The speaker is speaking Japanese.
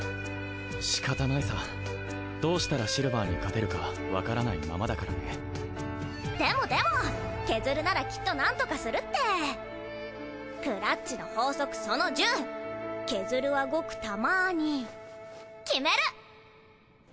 しかたないさどうしたらシルヴァーに勝てるか分からないままだからねでもでもケズルならきっとなんとかするってクラっちの法則その１０ケズルはごくたまにキメる！